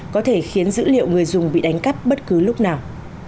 có thể khiến dữ liệu người dùng bị đánh cắp bất cứ lúc nào